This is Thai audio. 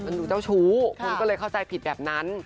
มันดูเจ้าชู้คุณก็เลยเข้าใจผิดแบบนั้น